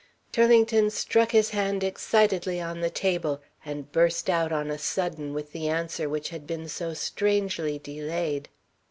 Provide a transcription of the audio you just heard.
Turlington struck his hand excitedly on the table, and burst out on a sudden with the answer which had been so strangely delayed.